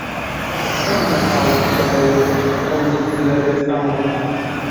چۆن لە کاڵەک تێر دەبێ ئەو زگ زلە بێستان ڕنە؟